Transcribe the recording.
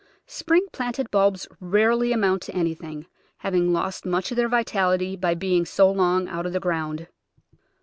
Spring planted bulbs rarely amount to anything, having lost much of their vitality by being so long out of the ground.